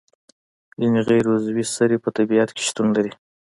ځینې غیر عضوي سرې په طبیعت کې شتون لري.